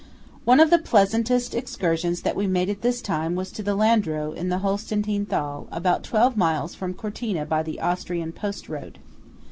One of the pleasantest excursions that we made at this time was to Landro in the Höllenstein Thal, about twelve miles from Cortina by the Austrian post road.